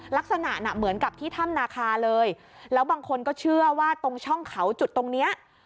ลักษณะน่ะเหมือนกับที่ถ้ำนาคาเลยแล้วบางคนก็เชื่อว่าตรงช่องเขาจุดตรงเนี้ย